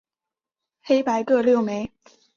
黑白各六枚。